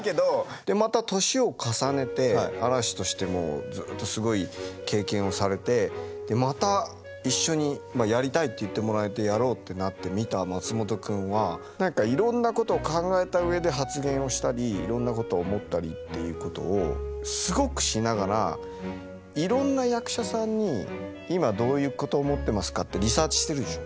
でまた年を重ねて嵐としてもずっとすごい経験をされてまた一緒にやりたいと言ってもらえてやろうってなって見た松本君は何かいろんなことを考えた上で発言をしたりいろんなことを思ったりっていうことをすごくしながらいろんな役者さんに今どういうこと思ってますかってリサーチしてるでしょう？